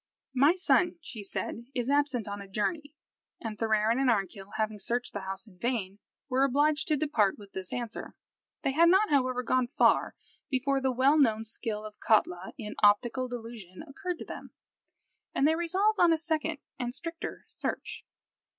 "My son," she said, "is absent on a journey;" and Thorarin and Arnkill, having searched the house in vain, were obliged to depart with this answer. They had not, however, gone far before the well known skill of Katla, in optical delusion occurred to them, and they resolved on a second and stricter search.